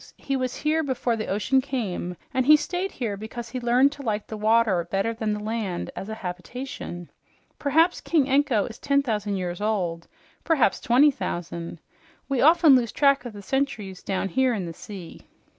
He was here before the ocean came, and he stayed here because he learned to like the water better than the land as a habitation. Perhaps King Anko is ten thousand years old, perhaps twenty thousand. We often lose track of the centuries down here in the sea."